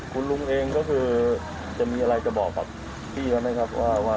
คุณลุงเองก็คือจะมีอะไรจะบอกพี่แล้วไหมครับ